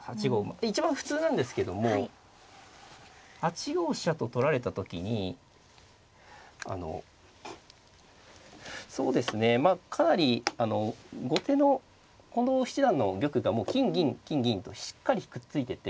一番普通なんですけども８五飛車と取られた時にそうですねまあかなり後手の近藤七段の玉が金銀金銀としっかりくっついてて。